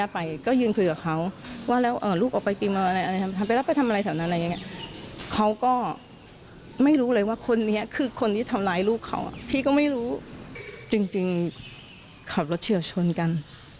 พี่ก็ไม่รู้จริงขับรถเฉียวชนกัน